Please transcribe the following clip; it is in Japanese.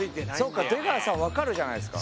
そうか出川さん分かるじゃないですか。